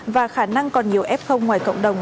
và khả năng còn nhiều f ngoài cộng đồng